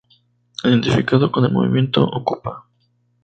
Identificado con el movimiento okupa.